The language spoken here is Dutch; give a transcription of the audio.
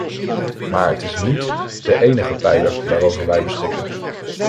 Maar het is niet de enige pijler waarover wij beschikken.